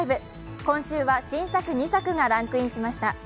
今週は、新作２作がランクインしました。